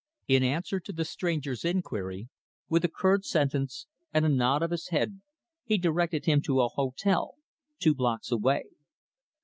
In answer to the stranger's inquiry, with a curt sentence and a nod of his head he directed him to a hotel two blocks away.